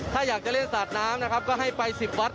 ถ้าอยากจะเล่นสาดน้ำนะครับก็ให้ไป๑๐วัด